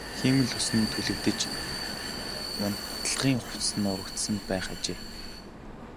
Хиймэл үс нь түлэгдэж унтлагын хувцас нь урагдсан байх ажээ.